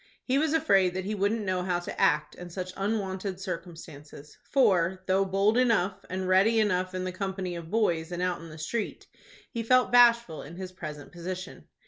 He was afraid that he wouldn't know how to act in such unwonted circumstances, for, though bold enough, and ready enough in the company of boys and out in the street, he felt bashful in his present position.